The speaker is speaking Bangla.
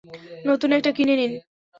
নতুন একটা কিনে নিন?